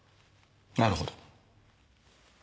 なるほど。